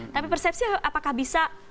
tapi persepsi apakah bisa